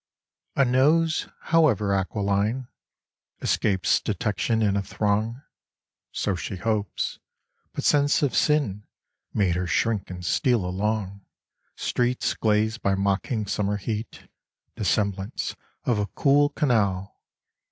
A NOSE, however aquiline, ^'* Escapes detection in a throng ; So she hopes ; but sense of sin Made her shrink and steal along Streets glazed by mocking summer heat To semblance of a cool canal.